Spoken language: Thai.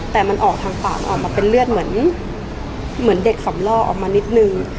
แต่มันออกทางปากออกมาเป็นเลือดเหมือนเด็กสำล่อออกมานิดนึง